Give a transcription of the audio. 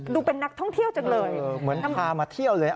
ดูเป็นนักท่องเที่ยวจังเลยเหมือนพามาเที่ยวเลย